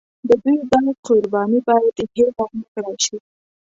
د دوی دا قرباني باید هېره نکړای شي.